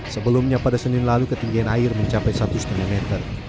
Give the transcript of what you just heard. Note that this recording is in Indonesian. sebelumnya pada senin lalu ketinggian air mencapai satu lima meter